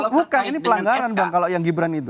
bukan ini pelanggaran bang kalau yang gibran itu